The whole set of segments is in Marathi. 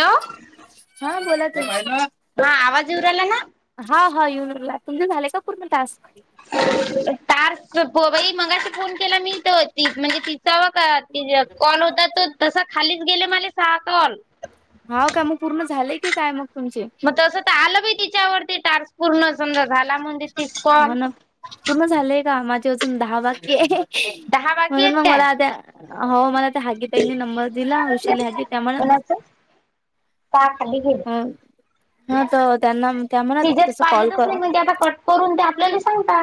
हॅलो हा बोलात. हा आवाज येऊ राहिला ना. हा हा येऊ राहिलाय तुमचे झाले का पूर्ण टास्क. तार बाई मगाशी फोन केला मिी तर त म्हणजे ती. व का त कॉल होता तो तसा खालीच गेले मला सहा कॉल. हवं का मग पूर्ण झालेय की काय मग. तुमचे मग तसं तर आलं ब तिच्यावरती तार्स पूर्ण समजा झाला म्हणजे तीच कॉल. तुमचं झालं का माझी अजून दहा बाकी आहेत. दहा बाकी म्हणून मग आहेत मला त्या हो मला त्या हागी तईनी नंबर दिला काय वुषाली हागी त्यामुळे. [inaudible] दहा खाली गेले. हा तर त्यांना कॅमेरा ट. पाहिजच नाही म्हणजे आता कट करून ते आपल्याला सांगता.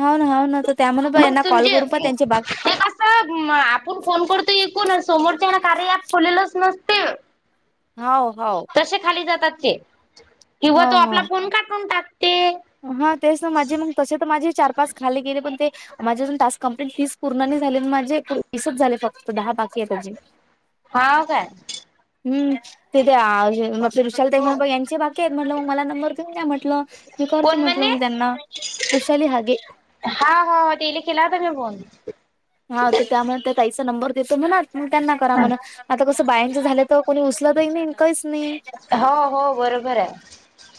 होा ना ह ना तर त्यामुळे पण मग यांना कॉल तुमचे करून प त्यांची बाग. ते आपण फोन करतो ऐकू समोरच्या कार्य प खोलेलंच नसते. हो हो. खाली जातात किंवा तो हाव हाव आपला फोन का करतात. हा तेच ना माझे मग तसे तर माझे चार पाच खाले गेले पण ते. माझ्या अजून टास्क कंप्लीट तीस पूर्ण नाही झाली माझे तीसच झाले फक्त दहा बाकी आहे त्या हाव काय? हम्म तिथे विशाल ते मुंबाई यांचे बाकी आहेत म्हटलं मग मला नंबर देऊन द्या म्हटलं. ते कोण करतील म्हणे? म्हंटल त्यांना वृषाली हागे हा हा तडेली केला की फोन. हा तर त्यामुळे ताईंचा नंबर देतो ना ना त्यांना करा म्हण आता कसं बायांचं झालं तर कोणी उचलतही नाही इम काहीच नाही. हो हो बरोबर आहे.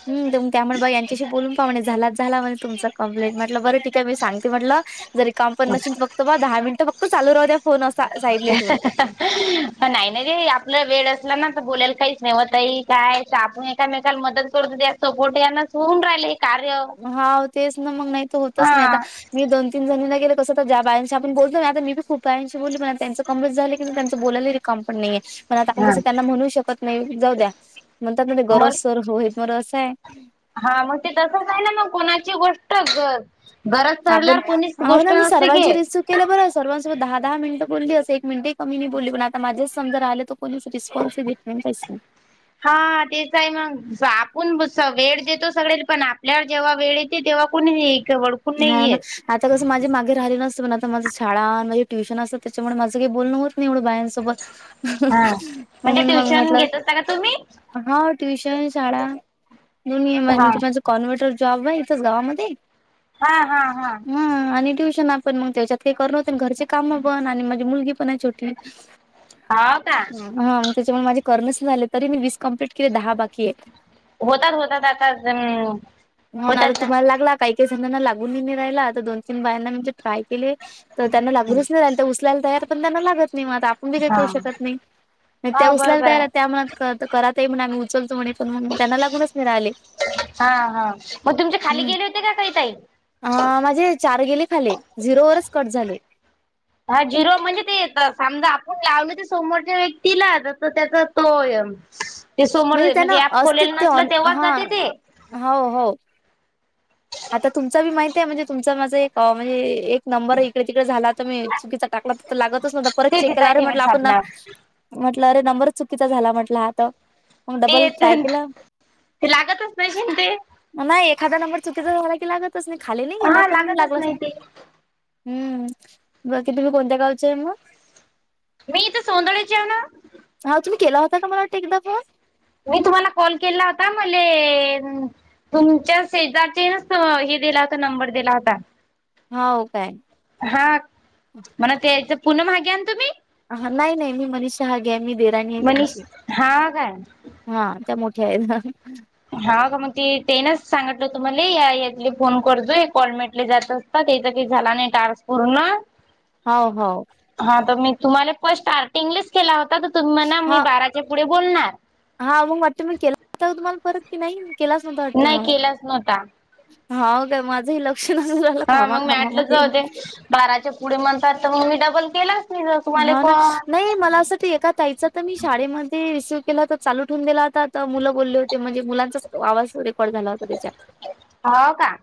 हम तु त्यामुळे बघ यांच्याशी बोलून पा म्हणे झालाच झाला म्हण तुमच कं्प्लेंट म्हटलं बरं त काय मी सांगते म्हटलं. जरी काम पण नशसेन फक्त ब दहा मिनिटं फक्त चालू राह द्या फोन असा साईडला ठेवून [unintelligible] नाही नाही रे आपला वेळ असला ना तर बोलायला काहीच ने्हतही काय आपण एकामेकाला मदत करूतो द्या. सपोर्ट यांनास होऊन राहिले कार्य हा तेच ना मग नाही तर होतच नाही आता हा. मी दोनीनणीांना गेले कसं तर ज बायांशी आपण बोलतो ना आता मी खूप बायाशी बोलली म त्यांच कंमज झालं की त्यांं बोलालं. का पण नाही पण आता आप कस त्यांना म्हणू शकत नाही जाऊ द्या म्हणतात गरज मग सर हो म रस आहे. हा मग ते तसं आहे. ना मग कोणाची गोष्ट घरात चालल्यावर कोणीच गोष्ट नसते की तिने बरं सर्वांसोबत दहा दहा मिनटं बोलली असं एक मिनटे कमी नाही बोललीण आ माझेच समज राहिले कोणीच रिस्पॉन्सि भेट नाही [unintelligible] हा तेच आहे मग, आपण वेळ देतो सगळे पण जेव्हा वेळेत तेव्हा कोणी होा नाही ना येत. [unintelligible] आता कसं माझे मागे राहिले नसत पण आता माझं शाळा माझे ट्युशन असतं. त्याच्यामुळे माझं काही बोल न नाही एवढं बायांसोबत हा. म्हणजे म्हणून मग ट्युशन म्हटलं घेत असता का तुम्ही. हा ट्युशन, शाळा, दोन्ही ये हा म्हणजे माझ कॉन्व्हर्टर जॉब आहे इथंच गावामध्ये. हा, हा, हा- हा आणि ट्युशन आपण मग त्याच्यात काही कर नवत घरचे काम पण आणि माझी मुलगी पण आहे छोटी. हो का हा त्याच्यामुळे माझे करर्णस झाले तरी मी वीस कंप्लीट केले दहा बाकी आहे. होतात होतात आता म हो आता होतात ना तुम्हाला लागला काही काही जणांना लागून नाही नाही राहिला आता दोन तीन बायांना म्हणजे ट्राय केले तर त्यांना लागूनच नाही त्यां उचलायला तयार पण त्यांना लागत नाही मग आता आपण बी काही हा. करू शकत नाही. मग त्या हो उचलायला बरोबर आहे तयार त्या मनात करा ताई म्हणे मी उचलतो म्हणे पण त्यांना लागूनच नाही राहिले. हा हा मग तुमच्या खाली हम्म गेले होते का काही ताई अ माझे चार गेले खाले झिरोवरच कट झाले हा झिरो म्हणजे ते येत समजा आपण लावलं ते समोरच्या व्यक्तीला तर त्याचा तो ते समोर म्हणजे त्यांना ऍप खोलेल अस्तित्व नसलं तेव्हाच हा जाते ते. हो हो आता तुमच बी माहती आहे म्हणजे तुमचा माझा एक म्हणजे एक नंबर इकडे तिकडे झाला तर मी चुकीचा टाकला तर लागतच नव्हता परत ते चेक तिथं केला आहे अरे ठेवीत म्हंटलं आपण ना साधणार. म्हटलं अरे नंबरच चुकीचा झाला म्हटलं आता ते य ते लागतच नाही की ते. नाही एखादा नंबर चुकीचा झाला की लागतच नाही. खाली नाही गेला हा पण लागतच लागलाच नाही ते हम्म, बाकी तुम्ही कोणत्या गावचे मग? मी इथे सोनळेचे आहेव ना [unintelligible] हा तुम्ही केला होता का मला वाट एकदा फोन? मी तुम्हाला कॉल केला होता मले तुमच्या सेजातील हे दिला होता नंबर दिला होता. हाव काय. हा म्हणा तेथ पुन माहागे तुम्ही [unintelligible] ह नाही नाही मी मनीषा हागे आहे मी देवरानी आहे मनीष त्यांची हा काय हा त्या मोठ्या आहेत. हा का मग ती तेनच सांगितलं होत मले यातले फोन करतो कॉलमेटले जात ता त्याचा काही झाला नाही टास पूर्ण हो हो.. हा तर मी तुम्हाला फट स्टार्टिंगलेच केला होता तर तुम ना मी हा बाराच्या पुढे बोलणार हा मग वाटते मी केला हो तुम्हाला परत की नाही केलाच नव्हता वाटते नाही मग केलाच नव्हता हा काय माझही लक्ष नसेल झालं हा मग मी आटलं कामाकामामध्ये जाऊ दे बाराच्या पुढे म्हणतात तर मग मी डबल केला हा ना नाही मला असं एका त्याचा तर मी शाळेमध्ये रिसीव्ह केला हो तर चालू ठेवून दिला होताता मुलं बोलले होते म्हणजे मुलांचाच आवाज वगरे कॉल झाला होता त्याच्या हो का?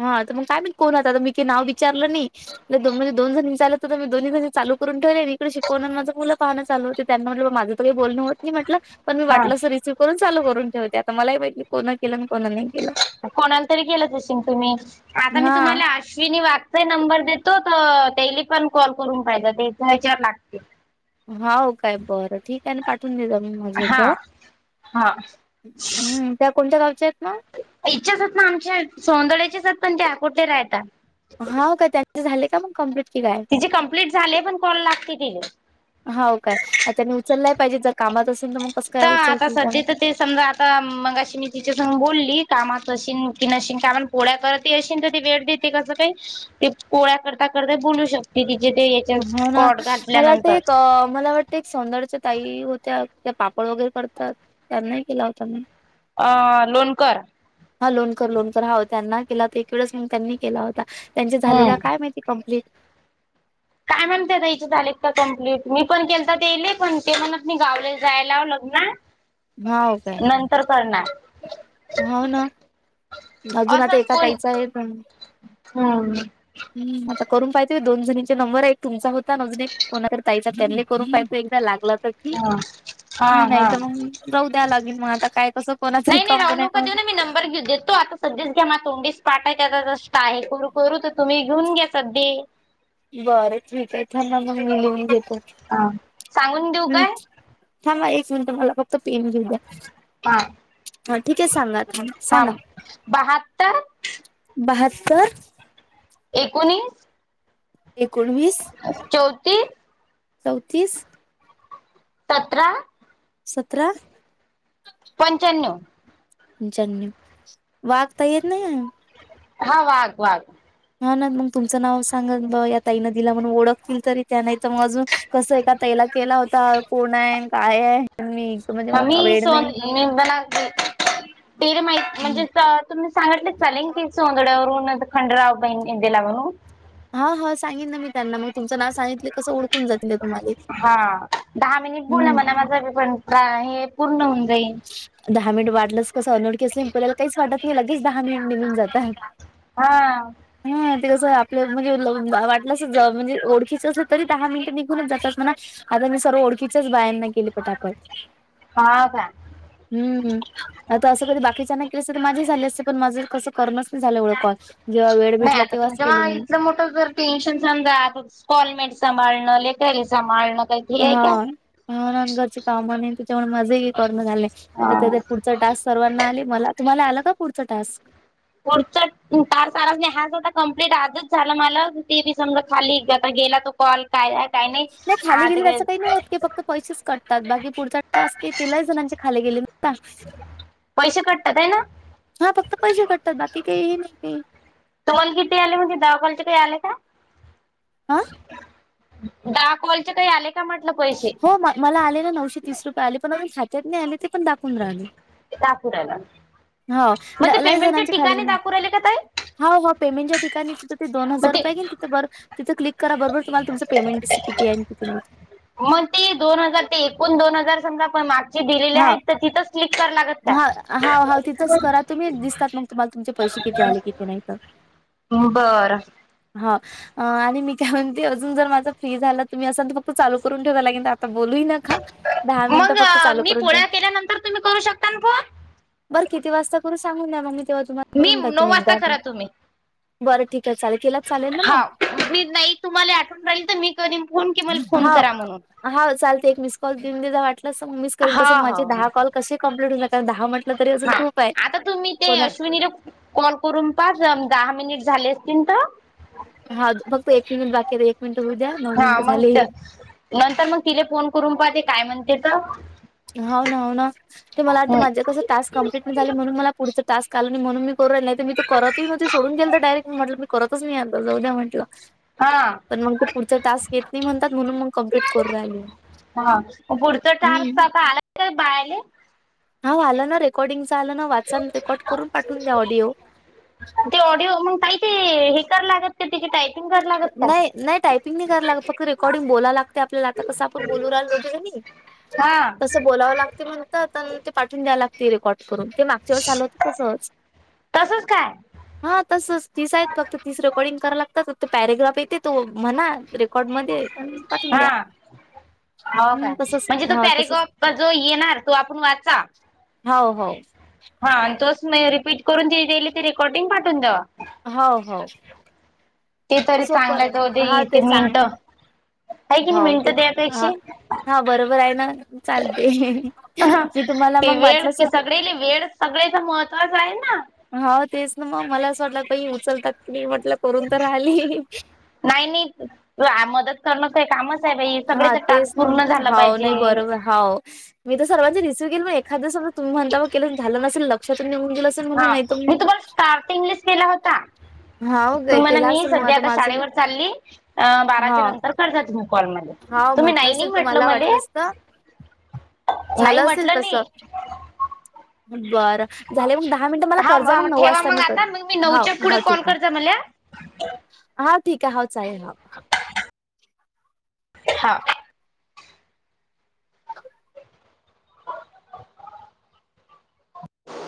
हा तर मग काय माहित कोण होता काय नाव विचारलं नाही ल म्हणज दो जण विचचाललं तर मी दो् चालू [unintelligible] करून ठेले इकडे शिकवणार माझं मुलं पहान चालू होते त्यांना म्हटलं माझं तर काही बोलणं होत नाही म्हटलं पण मी हा वाटलं अस रिसीव्ह करून चालू करून ठेवते आताल मलाही माहितीे नाही कोणाला केलं आणि कोण नाही केलं कोणांला तरी केलांच अशील तु तुम्हीं आता मी हां, तुम्हांला अश्विनी वाघचा नंबर देतो तर तेले पण कॉल करून पाहिजे त्याचा विचार लागतील हो काय बरं ठीक आहे ना पाठवून देेत मी माझ्या हा या्याच्यावर. हा हम्म त्या कोणत्या गावच्या आहेत ना इच्छाचात ना आमच्या सोंदड्याच्याचात पण ते आकुठे राहतात हो काय त्यांच झाले का मग कम्प्लीट तिची कम्प्लीट झाले पण कॉल लागते तिले हो काय आता तिने त उचललाय पाहिजे जर कामात असेल तर मग कसं काय तर आता उचलतील त्या सध्या तर ते समजा आता मगाशी मी तिच्यासंग बोलली कामात असशील की नशीन कारण पोळ्या करत येश तर ते वेळ देते कसं काही ते पोळ्या करता करता बोलू शकते त तिचे ते याच्या हा ना कॉट मला वाटतं घातल्यानंतर एक मला वाट प्रत्येक सौंदर्याच्या ताई होत्या त्या पापड वगैरे करतात त्यांनाही केला होता मी अ लोणकर हा लोणकर लोणकर हा हो त्यांना केला तर एक वेळेस म त्यांनी केला होता त्यांचे झाले हम्म का काय माहिती. कंप्लीट आय म्हण ते द्यायचे झालेत का कं्प्लीट मी पण केल तर तेले पण ते म्हणत मी गावले जायलाव लग्न हा काय तर करणार हो ना अजून आता असंच एका कोण तयचं आहेण हम्म हम आता करून पाहते दोन जणीचे नंबर एक तुमचा होता अजून एक कोणाक तायचा त्यांनी करून पाहि एकदा लागलं तर हा हा नाही हा तर मग रह द्या लागेल मग आता काय कसं कोणातरी राव नूका देऊ ना मी नंबर घेऊ देतो आता सध्याच घ्या म तोंडीस पाठ आहे त्या आहे करू करू तर तुम्ही घेऊन घ्या सध बरंचकय त्यांना मग लिून घेतो ह सांगून देऊ हम्म काय थांबा एक मिनिट मला फक्त पेन घेऊ द्या. हा हा ठीक आहे सांगा हा सांगा बहात्तर बहात्तर एकोणीस एकोणवीस चौतीस चौतीस तत सतरा पंचाण्णव जननी वाघतायर नाही हा वाग वाग हा ना मग तुमचं नाव सांग या ताईनं दिला म्हणून ओळखतील तरी त्या नाही तर मग अजून कसं एकां ताईला केलां होतां कोणं आहे कायं आहे मी म्हणजे ह मी मला वेड नाही सोन मी ब तेर माही हम्म म्हणजे तुम्हीं सांगितले चालेल की सोंदड्यांवरूंन खंडराव बॉकेत गेल्यां म्हणूंन हां हां सांगन नां मी त्यांना मंग तुमचं नांव सांगितले कसं ओळखूंन जातील नां तुम्हांला हा दहा मिनिट बोला मला माझं पण का हे पूर्ण होऊन जाईल दहा मिनिट वाटलंच कसं अनोळखचलं आपल्याला काहीच वाटत नाही लगेच दहा मिनिट निघून जातात हा ह ते कसं आपलं म्हणजे वाटलं अस म्हणजे ओळखीच असल तरी दहा मिनिट निघूनच जात अस म्हणा आता मी सर्व ओळखीच्याच बायांना केली पण ताकद हा का? हम्म हम. आता असं कधी बाकीच्या नाही केलं असं तर माझी झाले असते पण माझे कसं करणच नाही झालं ओळं कॉल जेव्हा वेळ नाही भेटला आता तेव्हाच तुमच्या केलं मा नाही. इथलं मोठं पेन्शन समज क्टॉलमेट सांभाळणं लेकरी सांभाळणं काही ते आहे हा हंद घरची काम नाही त्याच्यामुळे मजाही करण झाले तर का त्या टास्क सर्वांना आले मला तुम्हाला आलं का पुढचं टास्क? पुढचा तार ारच नाही हाता कंप्लीट आजच झाला मला ते बी समजा खाली आता गेला तो कॉल काय? काय नाही खाली गेले आता त्याचं काही नाही होत की फक्त पैसेच कटतात बाकी पुढ तास तिला जणांचे खाले गेले. पैसे कटतात आहे ना हा फक्त पैसे भेटतात बाकी काही हे नाही का? तुम्हाला किती आले म्हजे दावापलचे काही आले का? हा. दहा कॉलचे तरी हो मला आलेला नऊशे तीस रुपय आले पण अजून खात्यात नाही आले ते पणा दाखवू राहिला रा मग ते होा लई पेमेंटच्या जणांची खाली ठिकाणी दाखवू राहिले का ताई होा हो पेमेट ठिकाणी तिथं ते दो मग हजार ते रुपयेन ति तिथं क्लिक करा बरोबर. तुम्हाला तुमचा पेमेंट दिसतं किती हाय किती नाही ते. मग ते दोन हजार ते एकूण दोन हजार समजा पण माग दिलेली हा आहेत तिथच स्लिक क लागत हा का? तर मला तुमचे पैसे किती आले किती नाही तर बरं. हा. अ आणि मी काय म्हणते अजून जर माझा फी झाला तुम्ही असाल तर फक्त चालू करून ठेवा लागेल आता बोलू न का. दहा मिनिटं मग फक्त चालू मी करून पोळ्या केल्यानंतर तुम्ही करू शकता ना फोन? बरं किती वाजता करून सांगून द्या मग मी तेव्हा तुम्हाला मी करून नऊ टाकेन वाजता एकदा करा तुम्ही. बरं ठीक आहे चालेल केला चालेल ना मग हाव मी नाही तुम्हाला आठवून राहील तर मी [unintelligible] हा करा म्हणून. हा चालते एक मिस कॉल वाटलं म मिस करन हा कस हा माझे दहा कॉल कसे कम्प्लीट होईल दहा ह आता तुम्ही ते अश्विनीला कॉल करून पाज दहा मिनिट झाले असतील तर ह फक्त एक मिनिट बाकी आहे एक मिनिट होऊद्या. हा मग नंतर मग तिला फोन करून पाहते काय म्हणते तर हो ना हो ना ते मला वाटतं हम्म. माझे कसं टाक कं्प्लीट नाही झाले म्हणून मला पुढ टास्क आल नाही म्हणून नाही तरी तर करतहीव्हती सोडून गेल तर डायरेक्ट म्हटलं मी करतच नाही आलं जाऊद्या म्हटलं. हा. पण मग ते पुढचं टास्क येत नाही म्हणतात म्हणून मग कम्प्लीट करू राहिलो. हा पुढतं टार्स आता आलाय का बायले हा आलं ना रेकॉर्डिंग च आलं ना वाचन रेकॉर्ड करून पाठून द्या ऑडिओ ती ऑडिओ मग काही ते हिकार लागत क ति क टाईप नाही नाही टायपिंग नाही कराला लागत फक्त रेकॉर्डिंग बोलाव लागते आपल्याला आता कसं आपण बोलू राहिलोगे. हा. तसं बोलावं लागते म्हणतात ते पाठून द्याव लागते रेकॉर्ड करून ते माग चर चालवत तसच. तसच काय? हा तसच दिसायत फक्त तिसरं कडंग कराव लागतात. तो पॅरेग्राफ येते तो म्हणा रेकॉर्ड मध्ये पाठवून हा द्या. हो काय हम्म तसच म्हणजे तो हा तसच पॅरेगॉप जो येणार तो आपण वाचा. हो हो हा आणि तोच रिपीट करून तली ते रेकॉर्डिंग पाठून दवा हो हो ते तरी सोप चांगलाच ह होते ते चांग मिनिट आहे की हो नाही ते मिनिटं ह त्यापेक्षा हा बरोबर आहे ना चालते तेी तुम्हाला मग वाटलंचत सगळ्याथं महत्त्वाचं आहे ना हो तेच ना मग मला असं वाटलं काही उचलतात की म्हटलं करून तर राहिली नाही नाही मदत करणंचही कामच आहे बाई सगळेच टार्स पूर्ण झाला पाहिजे हो मी तर सर्वांचे रिसव्ह के मग एखाद्या समज तु् म्हणता के झालं नसेल लक्षातून निघून गेलं असेल हा म्हणून नाही तर मी तुम्हाला स्टार्ट इंग्लिश केला होता हाव गे तु मला केला मी असेल मग सध्या आता माझं शाळेवर चालली अ हा बाराच्या नंतर करता तुम्ही कॉल म हाव तुम्ही म्हटलं नाही नाही असेल म्हटलं तुम्हाला म वाटलं असतं नाही म्हटलं नाही दारा झाले मग दहा मिनिटं मला हा कज म- मग नऊ ठेवा वाजता मग मी कर आता मग मी ह नऊच्या पुढे ह कॉल ठीक आहे करजा मला हा ठीक आहे हो चालेल ह हा [unintelligible]